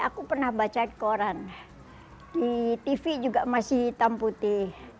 aku pernah baca koran di tv juga masih hitam putih